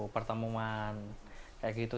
pertemuan kayak gitu